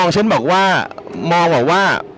ฉันบอกว่า